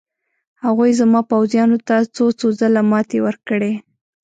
هغوی زما پوځیانو ته څو څو ځله ماتې ورکړې.